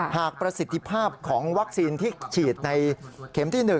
ประสิทธิภาพของวัคซีนที่ฉีดในเข็มที่๑